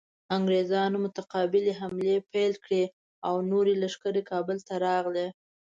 انګریزانو متقابلې حملې پیل کړې او نورې لښکرې کابل ته راغلې.